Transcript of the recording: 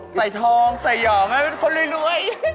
ใส่ทองใส่ห่อไหมเป็นคนรวย